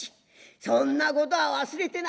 そんなことはな忘れてな